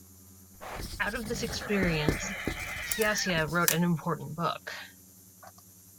Out of this experience, Sciascia wrote an important book.